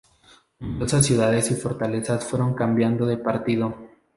Numerosas ciudades y fortalezas fueron cambiando de partido.